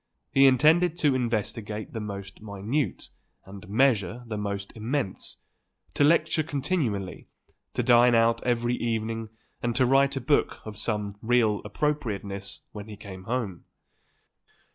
He intended to investigate the most minute and measure the most immense, to lecture continually, to dine out every evening and to write a book of some real appropriateness when he came home.